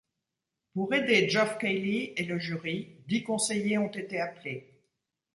Pour aider Geoff Keighley et le jury, dix conseillers ont été appelés.